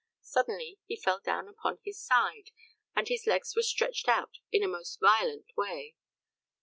Suddenly he fell down upon his side, and his legs were stretched out in a most violent way.